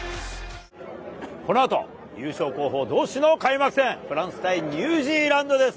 この後、優勝候補同士の開幕戦、フランス対ニュージーランドです。